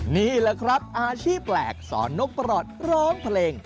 นี่แหละครับอาชีพแปลกสอนนกประหลอดร้องเพลง